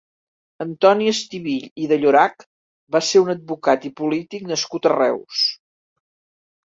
Antoni Estivill i de Llorach va ser un advocat i polític nascut a Reus.